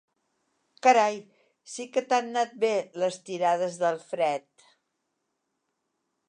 Carai, sí que t'han anat bé, les tirades del Fred!